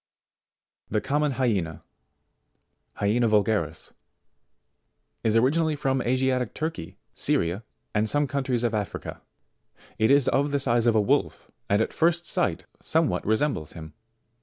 68. TheComnion Hyena, Hyena Vu'garis, is originally from Asiatic Turkey, Syria, and some countries of Africa. It is of the size of a wolf, and at first sight, somewhat resembles him.